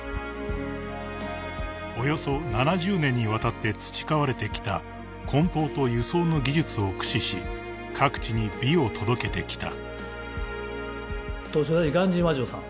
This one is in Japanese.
［およそ７０年にわたって培われてきた梱包と輸送の技術を駆使し各地に美を届けてきた］